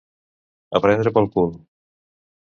A prendre pel cul.